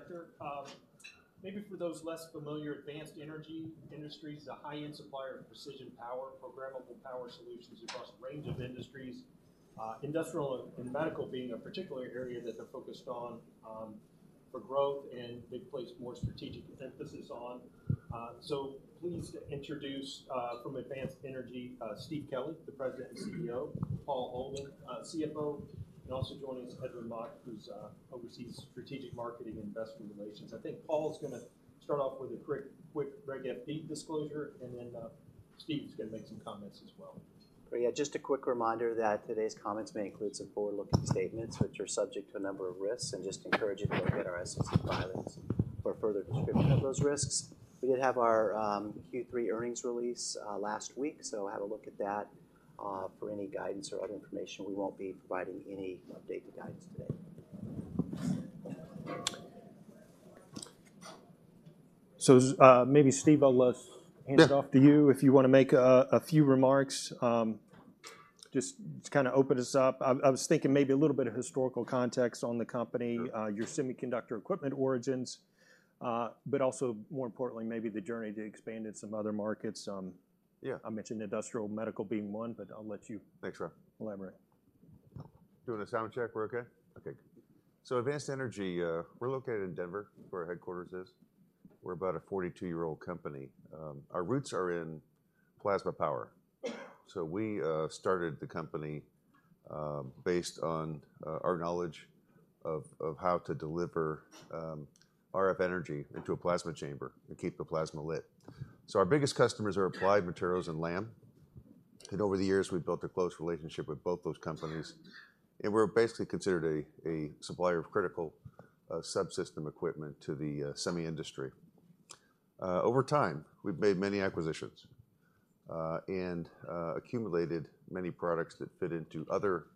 sector. Maybe for those less familiar, Advanced Energy Industries is a high-end supplier of precision power, programmable power solutions across a range of industries, industrial and medical being a particular area that they're focused on, for growth and they place more strategic emphasis on. So pleased to introduce, from Advanced Energy, Steve Kelley, the President and CEO, Paul Oldham, CFO, and also joining us, Edwin Mok, who's oversees strategic marketing and investor relations. I think Paul is gonna start off with a quick Reg FD disclosure, and then, Steve is gonna make some comments as well. Yeah, just a quick reminder that today's comments may include some forward-looking statements, which are subject to a number of risks, and just encourage you to look at our SEC filings for a further description of those risks. We did have our Q3 earnings release last week, so have a look at that for any guidance or other information. We won't be providing any updated guidance today. So, maybe, Steve, I'll hand it off to you. Yeah. - if you wanna make a few remarks, just to kind of open us up. I was thinking maybe a little bit of historical context on the company- Sure. Your semiconductor equipment origins, but also more importantly, maybe the journey to expand in some other markets. Yeah. I mentioned industrial medical being one, but I'll let you- Thanks, Rob... elaborate. Doing a sound check. We're okay? Okay. So Advanced Energy, we're located in Denver, where our headquarters is. We're about a 42-year-old company. Our roots are in plasma power. So we started the company based on our knowledge of how to deliver RF energy into a plasma chamber and keep the plasma lit. So our biggest customers are Applied Materials and Lam. And over the years, we've built a close relationship with both those companies, and we're basically considered a supplier of critical subsystem equipment to the semi industry. Over time, we've made many acquisitions and accumulated many products that fit into other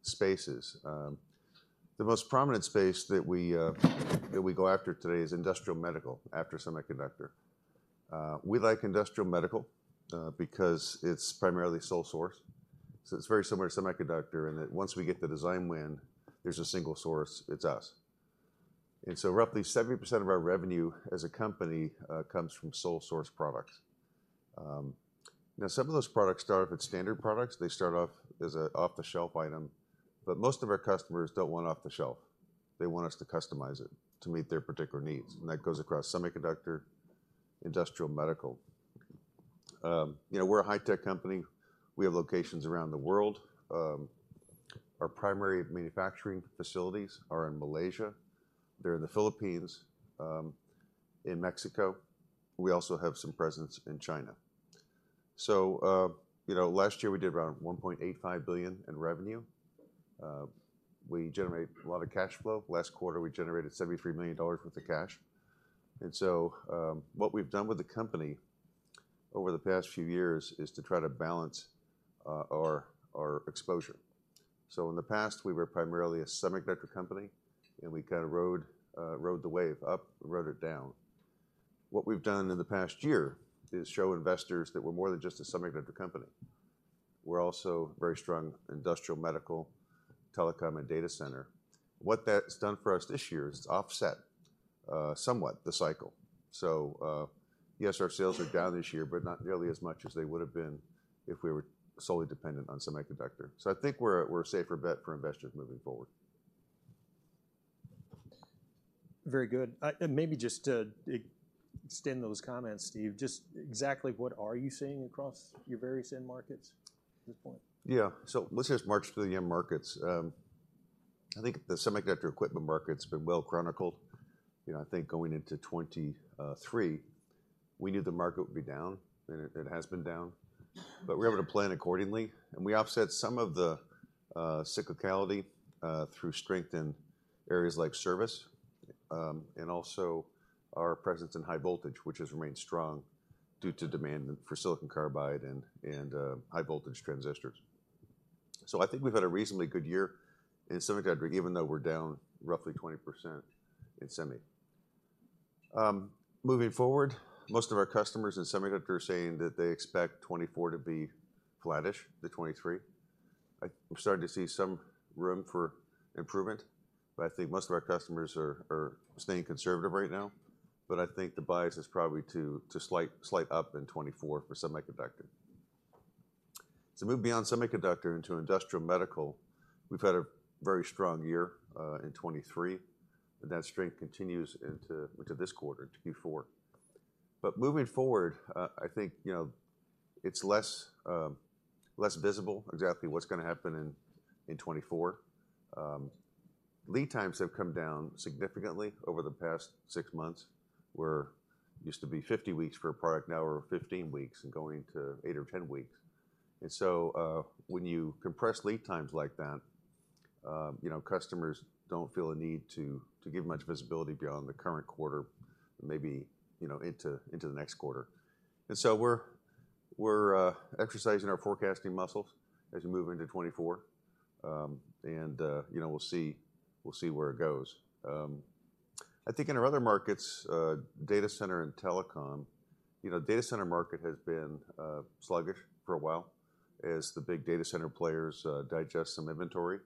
spaces. The most prominent space that we go after today is industrial medical, after semiconductor. We like industrial medical, because it's primarily sole source, so it's very similar to semiconductor in that once we get the design win, there's a single source, it's us. And so roughly 70% of our revenue as a company comes from sole source products. Now, some of those products start off as standard products. They start off as an off-the-shelf item, but most of our customers don't want off-the-shelf. They want us to customize it to meet their particular needs, and that goes across semiconductor, industrial, medical. You know, we're a high-tech company. We have locations around the world. Our primary manufacturing facilities are in Malaysia, they're in the Philippines, in Mexico. We also have some presence in China. So, you know, last year we did around $1.85 billion in revenue. We generated a lot of cash flow. Last quarter, we generated $73 million worth of cash. And so, what we've done with the company over the past few years is to try to balance our exposure. So in the past, we were primarily a semiconductor company, and we kind of rode the wave up, rode it down. What we've done in the past year is show investors that we're more than just a semiconductor company. We're also very strong industrial, medical, telecom, and data center. What that's done for us this year is offset somewhat the cycle. So, yes, our sales are down this year, but not nearly as much as they would've been if we were solely dependent on semiconductor. So I think we're a safer bet for investors moving forward. Very good. And maybe just to extend those comments, Steve, just exactly what are you seeing across your various end markets at this point? Yeah. So let's just march through the end markets. I think the semiconductor equipment market's been well chronicled. You know, I think going into 2023, we knew the market would be down, and it has been down, but we were able to plan accordingly, and we offset some of the cyclicality through strength in areas like service and also our presence in high voltage, which has remained strong due to demand for silicon carbide and high-voltage transistors. So I think we've had a reasonably good year in semiconductor, even though we're down roughly 20% in semi. Moving forward, most of our customers in semiconductor are saying that they expect 2024 to be flattish to 2023. We're starting to see some room for improvement, but I think most of our customers are staying conservative right now. I think the bias is probably to slightly up in 2024 for semiconductor. To move beyond semiconductor into industrial medical, we've had a very strong year in 2023, and that strength continues into this quarter, to Q4. Moving forward, I think, you know, it's less visible exactly what's gonna happen in 2024. Lead times have come down significantly over the past 6 months, where it used to be 50 weeks for a product, now we're 15 weeks and going to 8 or 10 weeks. And so, when you compress lead times like that, you know, customers don't feel a need to give much visibility beyond the current quarter, maybe, you know, into the next quarter. And so we're exercising our forecasting muscles as we move into 2024. You know, we'll see, we'll see where it goes. I think in our other markets, data center and telecom, you know, data center market has been sluggish for a while as the big data center players digest some inventory.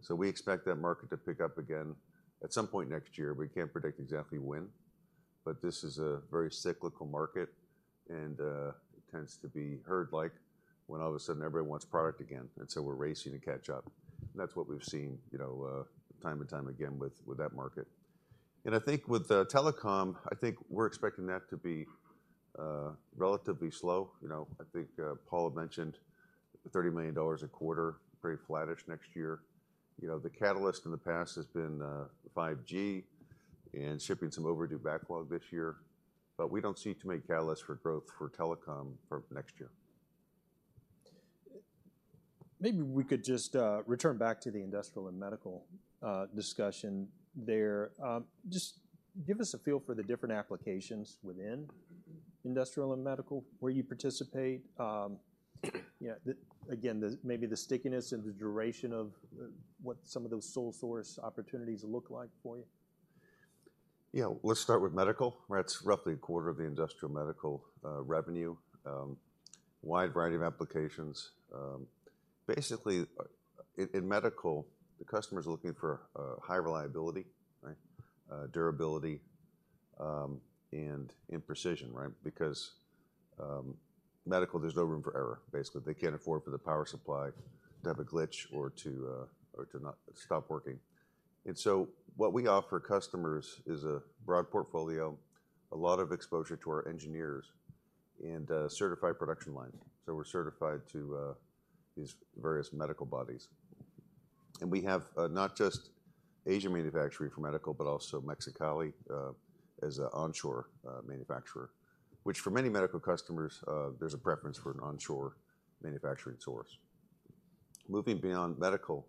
So we expect that market to pick up again at some point next year. We can't predict exactly when, but this is a very cyclical market, and it tends to be herd-like when all of a sudden everybody wants product again, and so we're racing to catch up. That's what we've seen, you know, time and time again with that market. I think with telecom, I think we're expecting that to be relatively slow. You know, I think Paul had mentioned $30 million a quarter, pretty flattish next year. You know, the catalyst in the past has been 5G and shipping some overdue backlog this year, but we don't see too many catalysts for growth for telecom for next year. Maybe we could just return back to the industrial and medical discussion there. Just give us a feel for the different applications within industrial and medical, where you participate. You know, again, maybe the stickiness and the duration of what some of those sole source opportunities look like for you. Yeah, let's start with medical, where it's roughly a quarter of the industrial medical revenue. Wide variety of applications. Basically, in medical, the customer's looking for high reliability, right? Durability and precision, right? Because medical, there's no room for error. Basically, they can't afford for the power supply to have a glitch or to or to not stop working. And so what we offer customers is a broad portfolio, a lot of exposure to our engineers and certified production lines. So we're certified to these various medical bodies. And we have not just Asian manufacturing for medical, but also Mexicali as an onshore manufacturer, which for many medical customers there's a preference for an onshore manufacturing source. Moving beyond medical,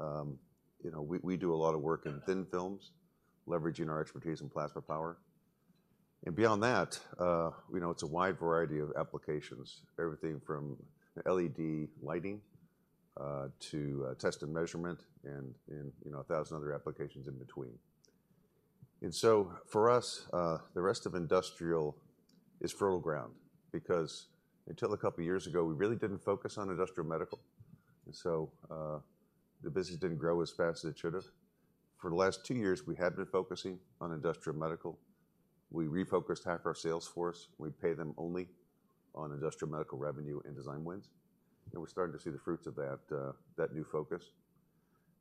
you know, we do a lot of work in thin films, leveraging our expertise in plasma power. And beyond that, you know, it's a wide variety of applications, everything from LED lighting to test and measurement, and you know, 1,000 other applications in between. And so for us, the rest of industrial is fertile ground because until a couple of years ago, we really didn't focus on industrial medical, and so the business didn't grow as fast as it should have. For the last 2 years, we have been focusing on industrial medical. We refocused half our sales force. We pay them only on industrial medical revenue and design wins, and we're starting to see the fruits of that new focus.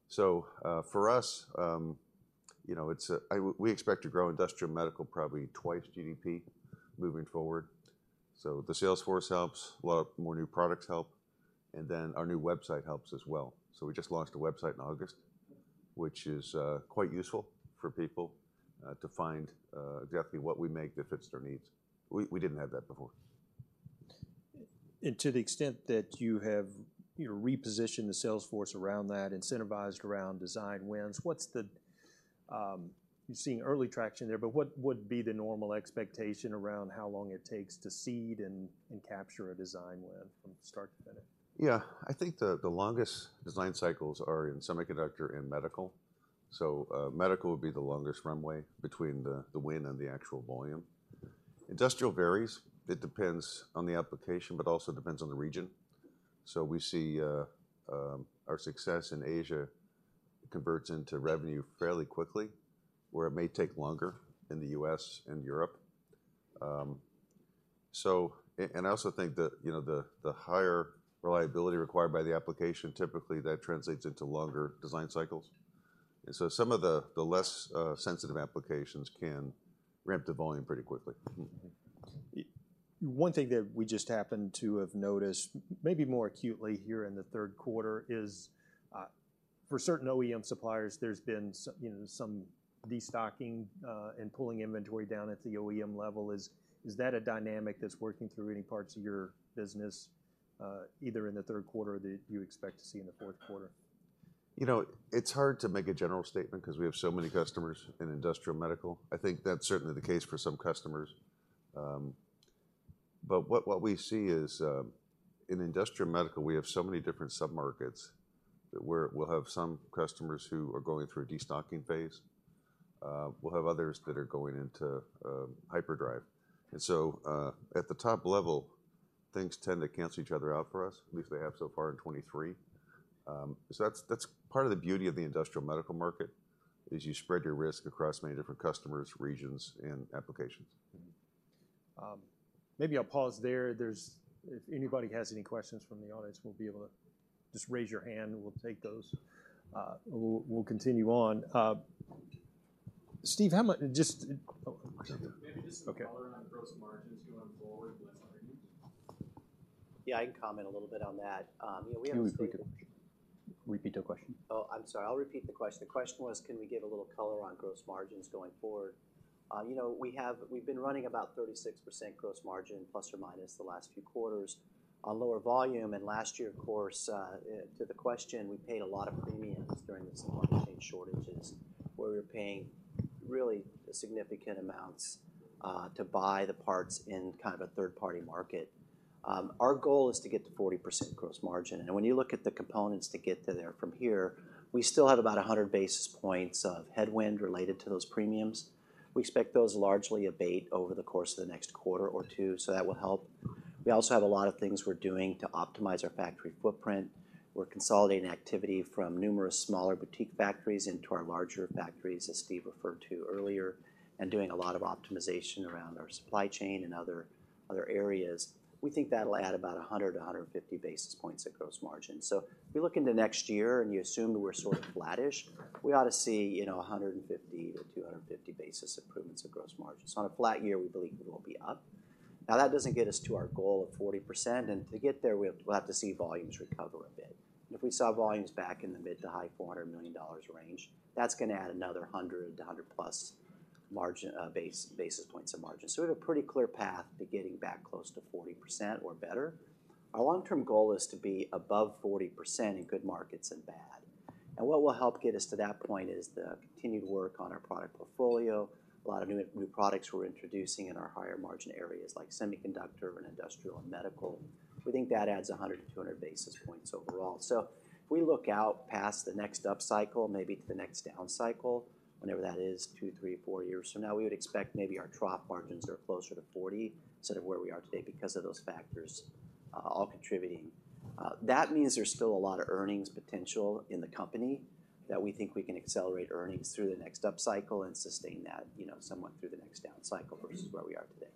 So for us, you know, it's... We expect to grow industrial medical probably twice GDP moving forward. So the sales force helps, a lot more new products help, and then our new website helps as well. So we just launched a website in August, which is quite useful for people to find exactly what we make that fits their needs. We didn't have that before. To the extent that you have, you know, repositioned the sales force around that, incentivized around design wins, what's the... You're seeing early traction there, but what would be the normal expectation around how long it takes to seed and capture a design win from start to finish? Yeah. I think the longest design cycles are in semiconductor and medical. So, medical would be the longest runway between the win and the actual volume. Industrial varies. It depends on the application, but also depends on the region. So we see our success in Asia converts into revenue fairly quickly, where it may take longer in the U.S. and Europe. And I also think that, you know, the higher reliability required by the application, typically, that translates into longer design cycles. And so some of the less sensitive applications can ramp the volume pretty quickly. Mm-hmm. One thing that we just happened to have noticed, maybe more acutely here in the third quarter, is, for certain OEM suppliers, there's been some, you know, some destocking, and pulling inventory down at the OEM level. Is that a dynamic that's working through any parts of your business, either in the third quarter or that you expect to see in the fourth quarter? You know, it's hard to make a general statement 'cause we have so many customers in industrial medical. I think that's certainly the case for some customers. But what, what we see is, in industrial medical, we have so many different submarkets that we're—we'll have some customers who are going through a destocking phase, we'll have others that are going into, hyperdrive. And so, at the top level, things tend to cancel each other out for us, at least they have so far in 2023. So that's, that's part of the beauty of the industrial medical market, is you spread your risk across many different customers, regions, and applications. Mm-hmm. Maybe I'll pause there. There's... If anybody has any questions from the audience, we'll be able to... Just raise your hand, and we'll take those. We'll continue on. Steve, how much, just, oh- Maybe just some color- Okay. - on the gross margins going forward. Yeah, I can comment a little bit on that. You know, we have- Can you repeat the question? Repeat the question. Oh, I'm sorry. I'll repeat the question. The question was, can we give a little color on gross margins going forward? You know, we've been running about 36% gross margin, plus or minus, the last few quarters on lower volume. And last year, of course, to the question, we paid a lot of premiums during the supply chain shortages, where we were paying really significant amounts to buy the parts in kind of a third-party market. Our goal is to get to 40% gross margin, and when you look at the components to get to there from here, we still have about 100 basis points of headwind related to those premiums. We expect those largely abate over the course of the next quarter or two, so that will help.... We also have a lot of things we're doing to optimize our factory footprint. We're consolidating activity from numerous smaller boutique factories into our larger factories, as Steve referred to earlier, and doing a lot of optimization around our supply chain and other, other areas. We think that'll add about 100-150 basis points of gross margin. So if you look into next year and you assume that we're sort of flattish, we ought to see, you know, 150-250 basis point improvements of gross margins. So on a flat year, we believe we will be up. Now, that doesn't get us to our goal of 40%, and to get there, we have, we'll have to see volumes recover a bit. If we saw volumes back in the mid- to high $400 million range, that's gonna add another 100 to 100+ basis points of margin. So we have a pretty clear path to getting back close to 40% or better. Our long-term goal is to be above 40% in good markets and bad. And what will help get us to that point is the continued work on our product portfolio, a lot of new products we're introducing in our higher-margin areas like semiconductor and industrial and medical. We think that adds 100-200 basis points overall. So if we look out past the next upcycle, maybe to the next downcycle, whenever that is, 2, 3, 4 years from now, we would expect maybe our trough margins are closer to 40 instead of where we are today because of those factors, all contributing. That means there's still a lot of earnings potential in the company, that we think we can accelerate earnings through the next upcycle and sustain that, you know, somewhat through the next downcycle versus where we are today.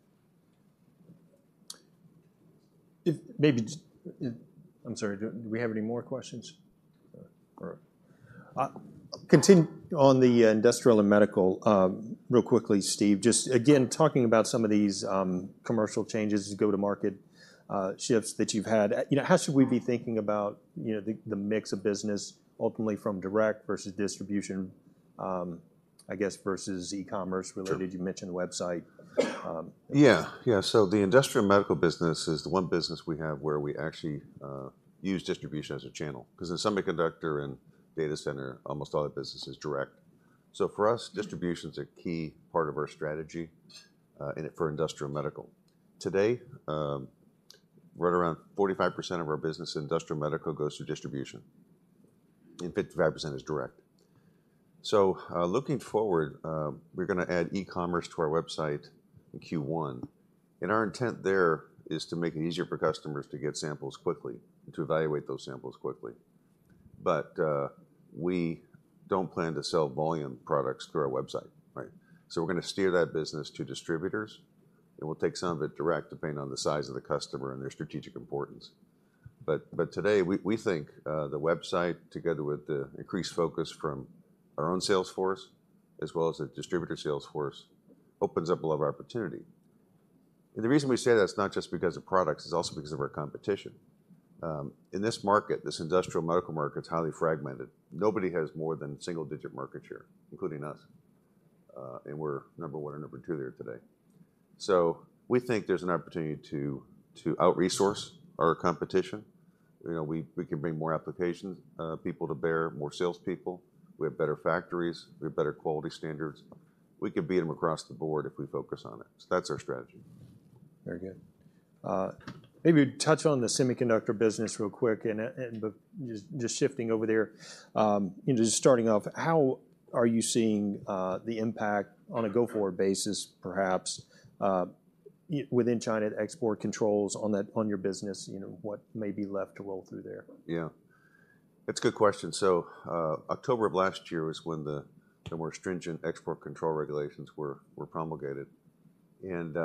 If maybe just, I'm sorry, do we have any more questions? On the industrial and medical, real quickly, Steve, just again, talking about some of these commercial changes, go-to-market shifts that you've had. You know, how should we be thinking about, you know, the mix of business ultimately from direct versus distribution, I guess, versus e-commerce related- Sure. you mentioned the website. Yeah. Yeah, so the industrial and medical business is the one business we have where we actually use distribution as a channel, 'cause in semiconductor and data center, almost all our business is direct. So for us, distribution's a key part of our strategy in it for industrial and medical. Today, right around 45% of our business in industrial and medical goes to distribution, and 55% is direct. So, looking forward, we're gonna add e-commerce to our website in Q1. And our intent there is to make it easier for customers to get samples quickly and to evaluate those samples quickly. But, we don't plan to sell volume products through our website, right? So we're gonna steer that business to distributors, and we'll take some of it direct, depending on the size of the customer and their strategic importance. But today we think the website, together with the increased focus from our own sales force, as well as the distributor sales force, opens up a lot of opportunity. And the reason we say that is not just because of products, it's also because of our competition. In this market, this industrial and medical market, it's highly fragmented. Nobody has more than single-digit market share, including us, and we're number one or number two there today. So we think there's an opportunity to out-resource our competition. You know, we can bring more applications, people to bear, more salespeople. We have better factories. We have better quality standards. We can beat them across the board if we focus on it. So that's our strategy. Very good. Maybe touch on the semiconductor business real quick and, but just shifting over there. And just starting off, how are you seeing the impact on a go-forward basis, perhaps, within China, the export controls on that, on your business? You know, what may be left to roll through there? Yeah. It's a good question. So, October of last year was when the more stringent export control regulations were promulgated. And,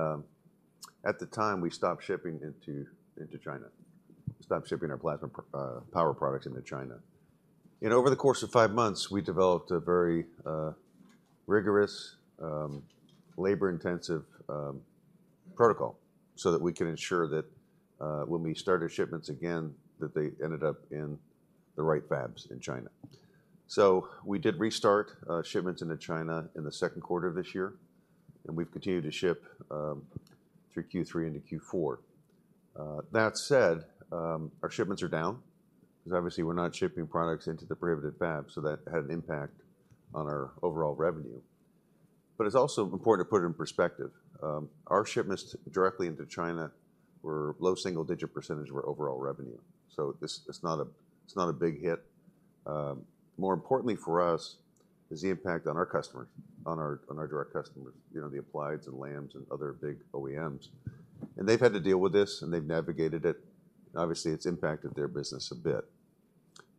at the time, we stopped shipping into China, stopped shipping our plasma power products into China. And over the course of five months, we developed a very rigorous, labor-intensive protocol so that we can ensure that, when we started shipments again, that they ended up in the right fabs in China. So we did restart shipments into China in the second quarter of this year, and we've continued to ship through Q3 into Q4. That said, our shipments are down, because obviously we're not shipping products into the prohibited fabs, so that had an impact on our overall revenue. But it's also important to put it in perspective. Our shipments directly into China were low single-digit % of our overall revenue, so this, it's not a big hit. More importantly for us is the impact on our customers, on our direct customers, you know, the Applieds and Lams and other big OEMs. And they've had to deal with this, and they've navigated it, and obviously, it's impacted their business a bit.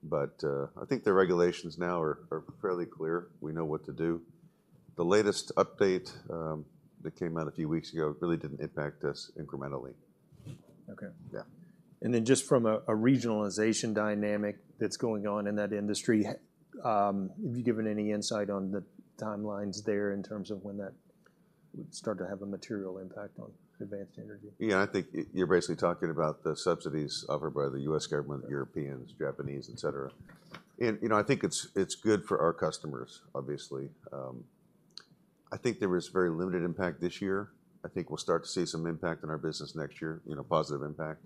But, I think the regulations now are fairly clear. We know what to do. The latest update that came out a few weeks ago really didn't impact us incrementally. Okay. Yeah. And then just from a regionalization dynamic that's going on in that industry, have you given any insight on the timelines there in terms of when that would start to have a material impact on Advanced Energy? Yeah, I think you're basically talking about the subsidies offered by the U.S. government- Yeah... Europeans, Japanese, et cetera. And, you know, I think it's, it's good for our customers, obviously. I think there is very limited impact this year. I think we'll start to see some impact on our business next year, you know, positive impact.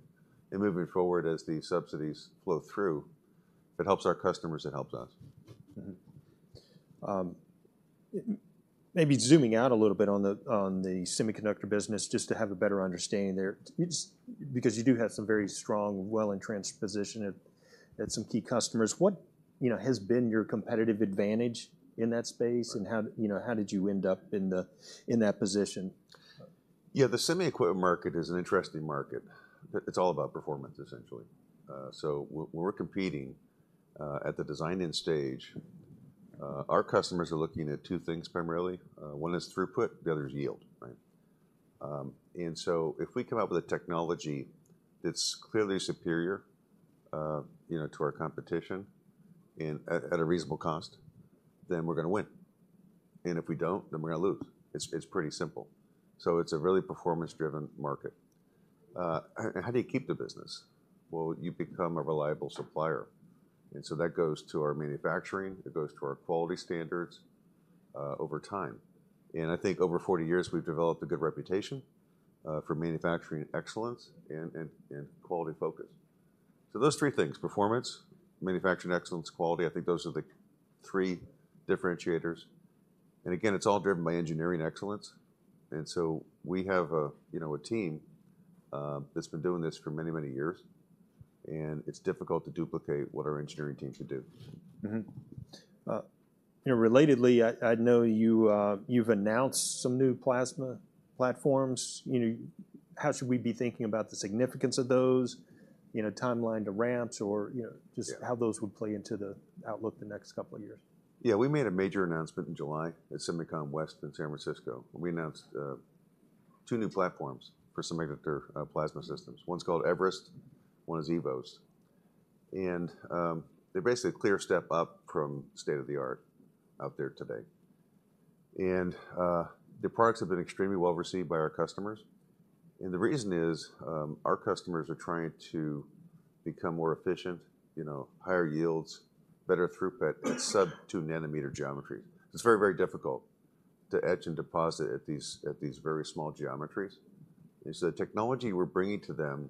And moving forward, as the subsidies flow through, if it helps our customers, it helps us. Mm-hmm. Maybe zooming out a little bit on the semiconductor business, just to have a better understanding there, just because you do have some very strong, well-entrenched position, and some key customers. What, you know, has been your competitive advantage in that space, and how, you know, how did you end up in that position? Yeah, the semi equipment market is an interesting market. It's all about performance, essentially. So when we're competing at the design-in stage, our customers are looking at two things primarily. One is throughput, the other is yield, right? And so if we come out with a technology that's clearly superior, you know, to our competition and at a reasonable cost, then we're gonna win. And if we don't, then we're gonna lose. It's pretty simple. So it's a really performance-driven market. And how do you keep the business? Well, you become a reliable supplier, and so that goes to our manufacturing, it goes to our quality standards over time. And I think over 40 years, we've developed a good reputation for manufacturing excellence and quality focus. So those three things: performance, manufacturing excellence, quality, I think those are the three differentiators. And again, it's all driven by engineering excellence. And so we have a, you know, a team that's been doing this for many, many years, and it's difficult to duplicate what our engineering teams can do. Mm-hmm. You know, relatedly, I know you've announced some new plasma platforms. You know, how should we be thinking about the significance of those, you know, timeline to ramps or, you know- Yeah... just how those would play into the outlook the next couple of years? Yeah, we made a major announcement in July at SEMICON West in San Francisco. We announced two new platforms for semiconductor plasma systems. One's called eVerest, one is eVoS. And they're basically a clear step up from state-of-the-art out there today. And the products have been extremely well-received by our customers. And the reason is, our customers are trying to become more efficient, you know, higher yields, better throughput, sub-2 nanometer geometries. It's very, very difficult to etch and deposit at these, at these very small geometries. And so the technology we're bringing to them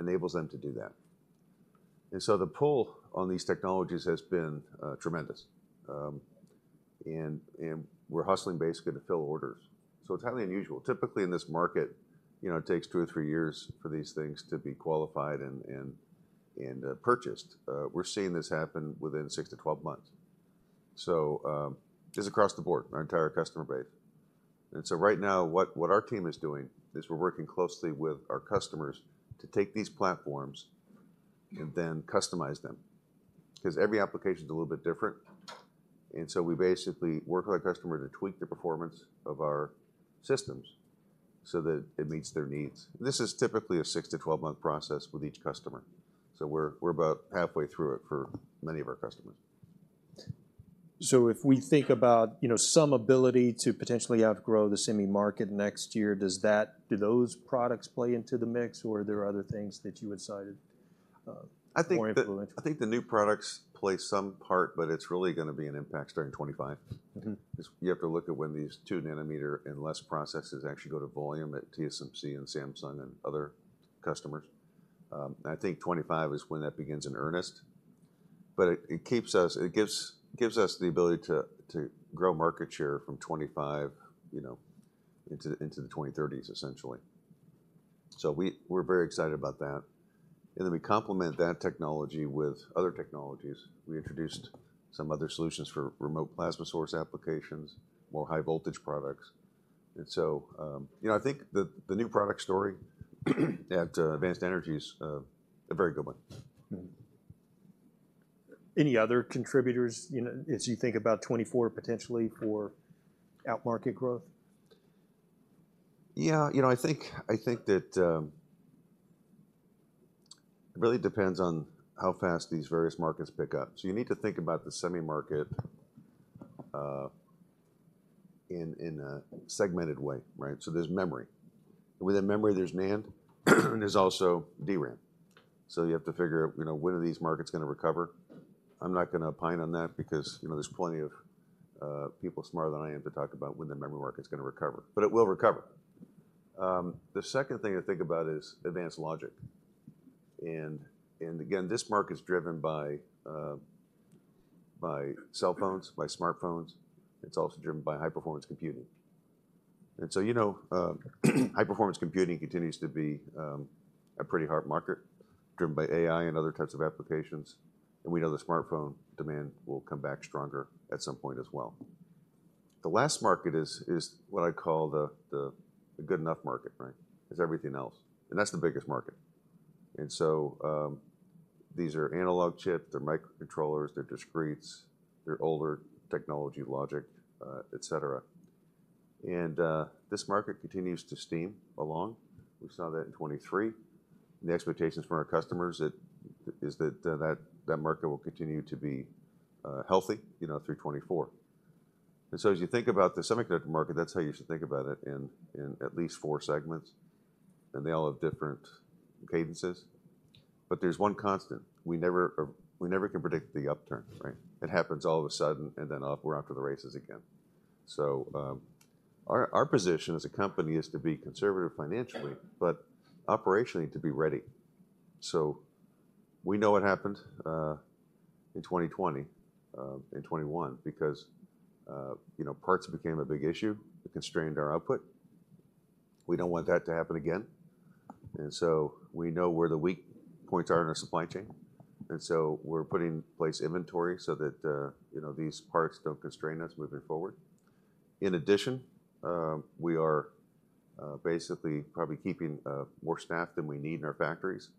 enables them to do that. And so the pull on these technologies has been tremendous. And we're hustling basically to fill orders, so it's highly unusual. Typically, in this market, you know, it takes 2 or 3 years for these things to be qualified and purchased. We're seeing this happen within 6-12 months. So, just across the board, our entire customer base. And so right now, what our team is doing is we're working closely with our customers to take these platforms and then customize them, 'cause every application is a little bit different. And so we basically work with our customer to tweak the performance of our systems so that it meets their needs. This is typically a 6-12-month process with each customer, so we're about halfway through it for many of our customers. If we think about, you know, some ability to potentially outgrow the semi market next year, does that... do those products play into the mix, or are there other things that you would cite more influential? I think the new products play some part, but it's really gonna be an impact starting 2025. Mm-hmm. 'Cause you have to look at when these 2 nanometer and less processes actually go to volume at TSMC and Samsung and other customers. I think 2025 is when that begins in earnest, but it keeps us... It gives us the ability to grow market share from 2025, you know, into the 2030s, essentially. So we're very excited about that. And then we complement that technology with other technologies. We introduced some other solutions for remote plasma source applications, more high voltage products. And so, you know, I think the new product story at Advanced Energy is a very good one. Mm-hmm. Any other contributors, you know, as you think about 2024 potentially for end-market growth? Yeah, you know, I think that it really depends on how fast these various markets pick up. So you need to think about the semi market in a segmented way, right? So there's memory. Within memory, there's NAND, and there's also DRAM. So you have to figure out, you know, when are these markets gonna recover? I'm not gonna opine on that because, you know, there's plenty of people smarter than I am to talk about when the memory market's gonna recover, but it will recover. The second thing to think about is advanced logic, and again, this market is driven by cell phones, by smartphones. It's also driven by high-performance computing. And so, you know, high-performance computing continues to be a pretty hard market, driven by AI and other types of applications, and we know the smartphone demand will come back stronger at some point as well. The last market is what I'd call the good enough market, right? It's everything else, and that's the biggest market. And so, these are analog chips, they're microcontrollers, they're discretes, they're older technology logic, et cetera. And, this market continues to steam along. We saw that in 2023. The expectations from our customers is that that market will continue to be healthy, you know, through 2024. And so as you think about the semiconductor market, that's how you should think about it in at least four segments, and they all have different cadences. But there's one constant: we never can predict the upturn, right? It happens all of a sudden, and then off we’re off to the races again. So, our position as a company is to be conservative financially, but operationally, to be ready. So we know what happened in 2020 and 2021, because, you know, parts became a big issue. It constrained our output. We don't want that to happen again, and so we know where the weak points are in our supply chain, and so we're putting in place inventory so that, you know, these parts don't constrain us moving forward. In addition, we are basically probably keeping more staff than we need in our factories,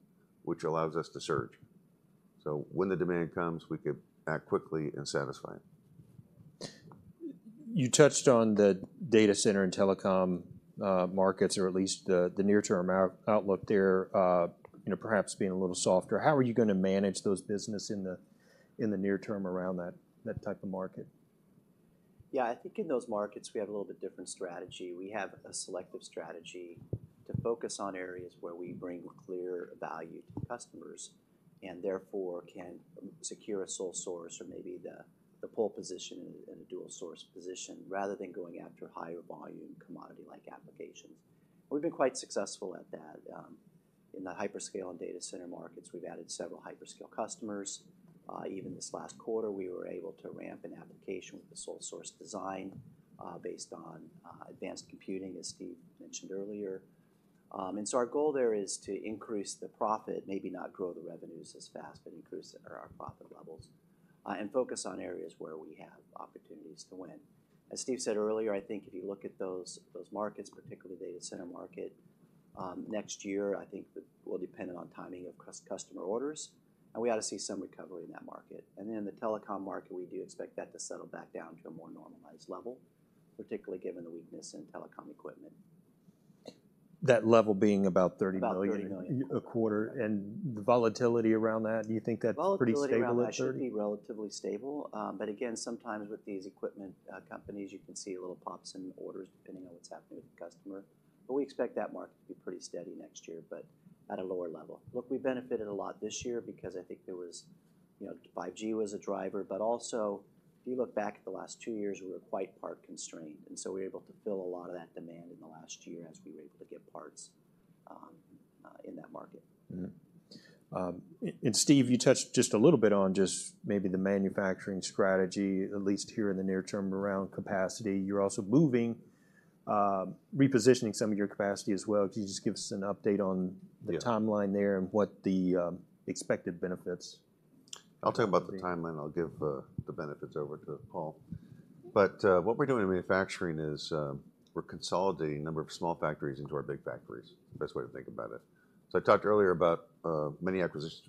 which allows us to surge. So when the demand comes, we can act quickly and satisfy it. You touched on the data center and telecom markets, or at least the near-term outlook there, you know, perhaps being a little softer. How are you gonna manage those businesses in the near term around that type of market? Yeah, I think in those markets, we have a little bit different strategy. We have a selective strategy to focus on areas where we bring clear value to customers, and therefore, can secure a sole source or maybe the pole position in a dual source position, rather than going after higher volume, commodity-like applications. We've been quite successful at that. In the hyperscale and data center markets, we've added several hyperscale customers. Even this last quarter, we were able to ramp an application with a sole source design, based on advanced computing, as Steve mentioned earlier. And so our goal there is to increase the profit, maybe not grow the revenues as fast, but increase our profit levels, and focus on areas where we have opportunities to win. As Steve said earlier, I think if you look at those, those markets, particularly the data center market, next year, I think that will be dependent on timing of customer orders, and we ought to see some recovery in that market. And then, the telecom market, we do expect that to settle back down to a more normalized level, particularly given the weakness in telecom equipment. That level being about $30 million- About $30 million... a quarter, and the volatility around that, do you think that's pretty stable at 30? Volatility should be relatively stable. But again, sometimes with these equipment companies, you can see little pops in orders, depending on what's happening with the customer, but we expect that market to be pretty steady next year, but at a lower level. Look, we benefited a lot this year because I think there was, you know, 5G was a driver, but also, if you look back at the last two years, we were quite part constrained, and so we were able to fill a lot of that demand in the last year as we were able to get parts in that market. Mm-hmm. And Steve, you touched just a little bit on just maybe the manufacturing strategy, at least here in the near term, around capacity. You're also moving, repositioning some of your capacity as well. Can you just give us an update on- Yeah... the timeline there and what the expected benefits? I'll talk about the timeline. I'll give the benefits over to Paul. But what we're doing in manufacturing is, we're consolidating a number of small factories into our big factories. Best way to think about it. So I talked earlier about many acquisitions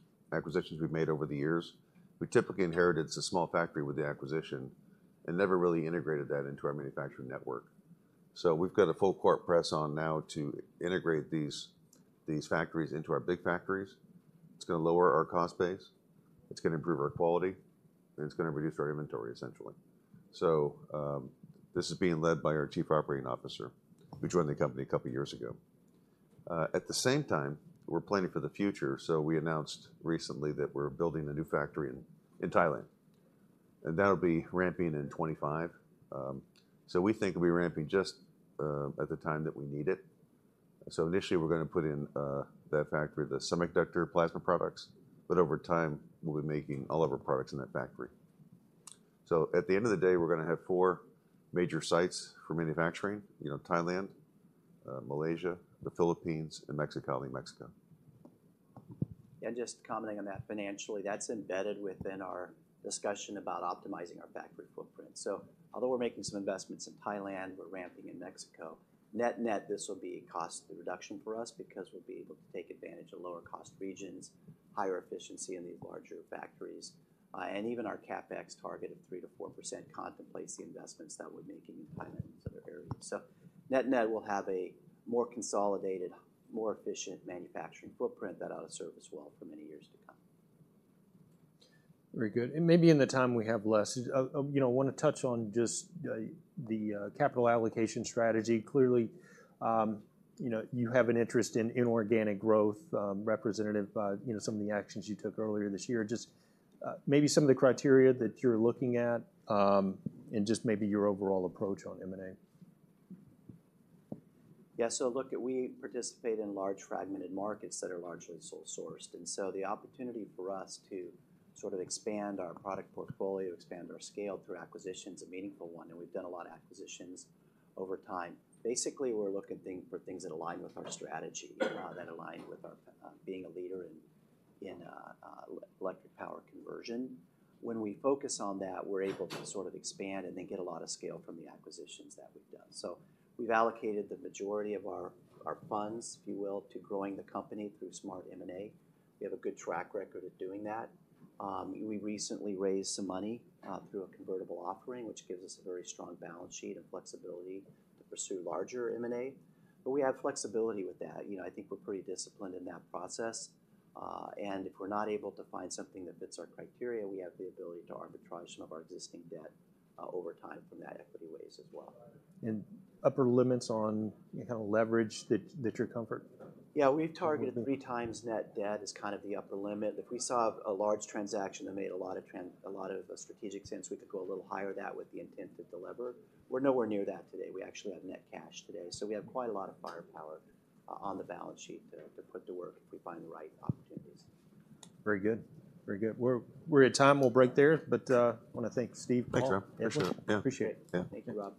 we've made over the years. We typically inherited a small factory with the acquisition and never really integrated that into our manufacturing network. So we've got a full court press on now to integrate these factories into our big factories. It's gonna lower our cost base, it's gonna improve our quality, and it's gonna reduce our inventory, essentially. So this is being led by our Chief Operating Officer, who joined the company a couple of years ago. At the same time, we're planning for the future, so we announced recently that we're building a new factory in Thailand, and that'll be ramping in 2025. So we think it'll be ramping just at the time that we need it. So initially, we're gonna put in that factory the semiconductor plasma products, but over time, we'll be making all of our products in that factory. So at the end of the day, we're gonna have four major sites for manufacturing: you know, Thailand, Malaysia, the Philippines, and Mexico. Just commenting on that, financially, that's embedded within our discussion about optimizing our factory footprint. Although we're making some investments in Thailand, we're ramping in Mexico, net-net, this will be a cost reduction for us because we'll be able to take advantage of lower cost regions, higher efficiency in these larger factories, and even our CapEx target of 3%-4% contemplates the investments that we're making in Thailand and other areas. Net-net, we'll have a more consolidated, more efficient manufacturing footprint that ought to serve us well for many years to come. Very good. Maybe in the time we have left, you know, want to touch on just the capital allocation strategy. Clearly, you know, you have an interest in inorganic growth, represented by, you know, some of the actions you took earlier this year. Just maybe some of the criteria that you're looking at, and just maybe your overall approach on M&A. Yeah, so look, we participate in large, fragmented markets that are largely sole sourced, and so the opportunity for us to sort of expand our product portfolio, expand our scale through acquisition, is a meaningful one, and we've done a lot of acquisitions over time. Basically, we're looking for things that align with our strategy, that align with our being a leader in electric power conversion. When we focus on that, we're able to sort of expand and then get a lot of scale from the acquisitions that we've done. So we've allocated the majority of our funds, if you will, to growing the company through smart M&A. We have a good track record of doing that. We recently raised some money through a convertible offering, which gives us a very strong balance sheet and flexibility to pursue larger M&A, but we have flexibility with that. You know, I think we're pretty disciplined in that process, and if we're not able to find something that fits our criteria, we have the ability to arbitrage some of our existing debt over time from that equity raise as well. upper limits on what kind of leverage that you're comfort- Yeah, we've targeted 3 times net debt as kind of the upper limit. If we saw a large transaction that made a lot of strategic sense, we could go a little higher than that with the intent to delever. We're nowhere near that today. We actually have net cash today, so we have quite a lot of firepower on the balance sheet to put to work if we find the right opportunities. Very good. Very good. We're at time. We'll break there, but I wanna thank Steve. Thanks, Rob. Paul. For sure. Appreciate it. Yeah. Thank you, Rob.